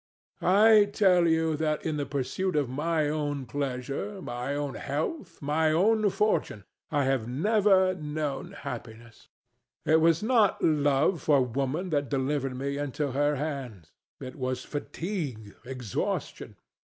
I tell you that in the pursuit of my own pleasure, my own health, my own fortune, I have never known happiness. It was not love for Woman that delivered me into her hands: it was fatigue, exhaustion.